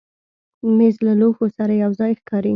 مېز له لوښو سره یو ځای ښکاري.